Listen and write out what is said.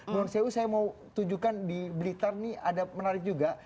bang sewu saya mau tunjukkan di blitar ini ada menarik juga